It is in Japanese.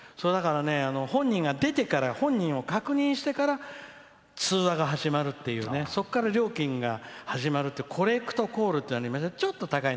だから、本人が出てから本人を確認してから通話が始まるっていうそっから料金が始まるっていうコレクトコールってありました。